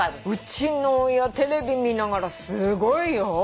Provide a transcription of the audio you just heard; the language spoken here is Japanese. うちの親テレビ見ながらすごいよ。